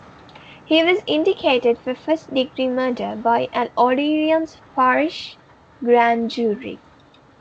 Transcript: He was indicted for first degree murder by an Orleans Parish Grand Jury.